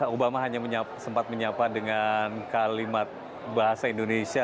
obama hanya sempat menyapa dengan kalimat bahasa indonesia